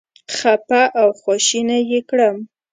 خپه او خواشینی یې کړم.